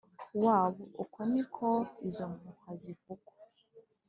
wabo uko ni ko izo mpuha zivugwa